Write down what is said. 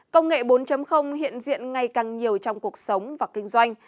công nghệ bốn hiện diện ngày càng nhiều trong cuộc sống và kinh doanh